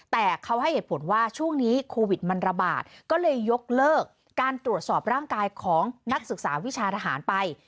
แต่เขาให้เหตุผลว่าช่วงนี้โควิดมันระบาดก็เลยยกเลิกการตรวจสอบร่างกายของนักศึกษาวิชาทหารไป